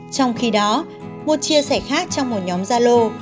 trong khi đó một chia sẻ khác trong một nhóm gia lô